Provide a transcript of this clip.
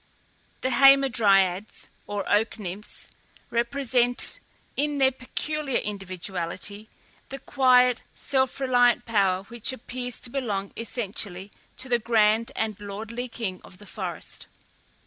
The HAMADRYADES, or oak nymphs, represent in their peculiar individuality the quiet, self reliant power which appears to belong essentially to the grand and lordly king of the forest.